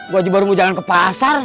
gua aja baru mau jalan ke pasar